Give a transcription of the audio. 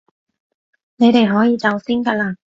你哋可以走先㗎喇